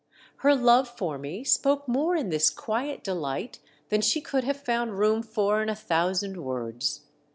Her love for me spoke more in this quiet delight than she could have found room for in a thousand words.